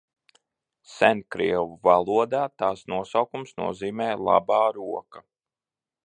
"Senkrievu valodā tās nosaukums nozīmē "labā roka"."